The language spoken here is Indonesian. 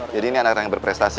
jadi ini anak anak yang berprestasi